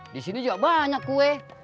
disini jak banyak kue